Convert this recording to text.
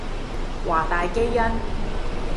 華大基因